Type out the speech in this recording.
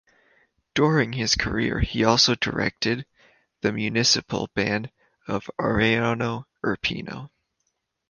During his career he also directed the municipal band of Ariano Irpino.